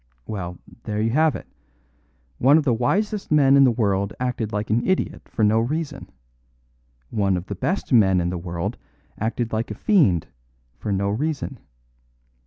Well, there you have it. One of the wisest men in the world acted like an idiot for no reason. One of the best men in the world acted like a fiend for no reason.